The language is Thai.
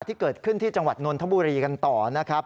ที่เกิดขึ้นที่จังหวัดนนทบุรีกันต่อนะครับ